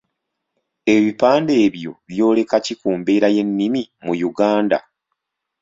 Ebipande ebyo byoleka ki ku mbeera y’ennimi mu Uganda?